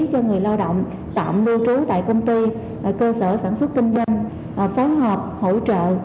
cho người lao động tạm lưu trú tại công ty cơ sở sản xuất kinh doanh phối hợp hỗ trợ